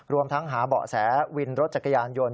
รวมทั้งหาเบาะแสวินรถจักรยานยนต์